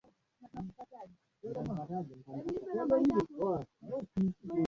Angeniuliza ningemjibu.